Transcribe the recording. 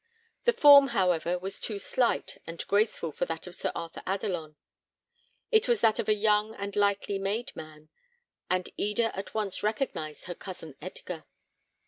The form, however, was too slight and graceful for that of Sir Arthur Adelon. It was that of a young and lightly made man; and Eda at once recognised her cousin Edgar.